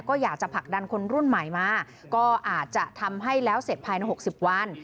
ก็อยากจะผลักดันคนรุ่นใหม่มาก็อาจจะทำให้แล้วเสร็จภายใน๖๐วัน